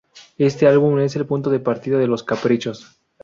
Este álbum es el punto de partida de Los caprichos.